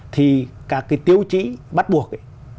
thì các cái tiêu chỉ bắt buộc